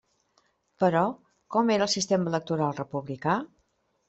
Però, ¿com era el sistema electoral republicà?